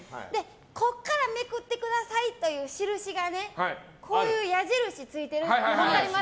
ここからめくってくださいという印が矢印ついてるやつ分かります？